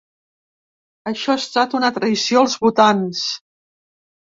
Això ha estat una traïció als votants.